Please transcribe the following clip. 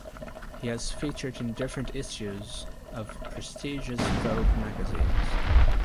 He has featured in different issues of prestigious vogue magazines